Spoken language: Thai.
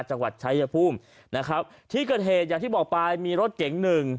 จังหวัดชายภูมินะครับที่เกิดเหตุอย่างที่บอกไปมีรถเก๋งหนึ่ง